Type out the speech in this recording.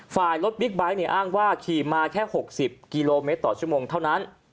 ฝ่ายรถบิ๊กไบท์เนี่ยอ้างว่าขี่มาแค่๖๐กิโลเมตรต่อชั่วโมงเท่านั้น